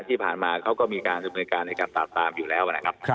ที่ผ่านมาเขาก็มีการสุดบริการในการตามตามอยู่แล้วนะครับครับ